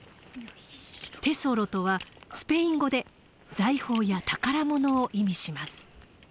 テソロとはスペイン語で財宝や宝物を意味します。